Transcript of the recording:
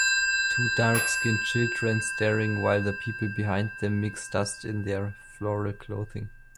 Two darkskinned children staring while the people behind them mix dust in their floral clothing.